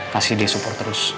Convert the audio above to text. kasih dia support terus